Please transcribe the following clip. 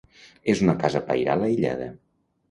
És una casa pairal aïllada.